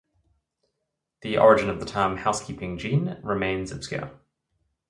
The origin of the term "housekeeping gene" remains obscure.